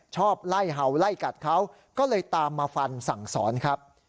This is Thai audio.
ชอบไล่เห่าไล่กัดเขาก็เลยตามมาฟันสั่งสอนครับ